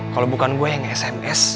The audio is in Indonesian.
kalau bukan gue yang sms